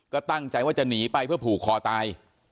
ก็ตั้งใจว่าจะหนีไปเพื่อผูกคอตาย